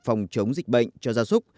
phòng chống dịch bệnh cho gia súc